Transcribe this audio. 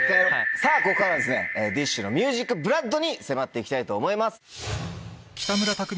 さぁここからはＤＩＳＨ／／のＭＵＳＩＣＢＬＯＯＤに迫って行きたいと思います。